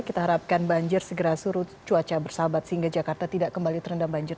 kita harapkan banjir segera surut cuaca bersahabat sehingga jakarta tidak kembali terendam banjir